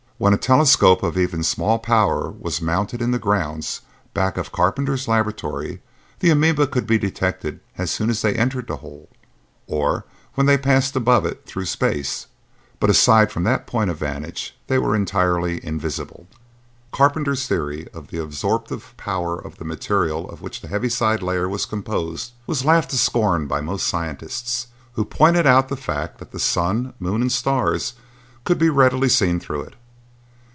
When a telescope of even small power was mounted in the grounds back of Carpenter's laboratory, the amoeba could be detected as soon as they entered the hole, or when they passed above it through space; but, aside from that point of vantage, they were entirely invisible. Carpenter's theory of the absorptive powers of the material of which the heaviside layer was composed was laughed to scorn by most scientists, who pointed out the fact that the sun, moon and stars could be readily seen through it.